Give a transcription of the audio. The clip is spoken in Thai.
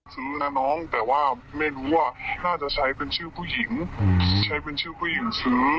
ซื้อนะน้องแต่ว่าไม่รู้ว่าน่าจะใช้เป็นชื่อผู้หญิงใช้เป็นชื่อผู้หญิงซื้อ